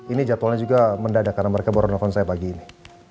ini jadwalnya juga mendadak karena mereka baru nelfon saya pagi ini